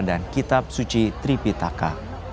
dan kitab suci tripitaka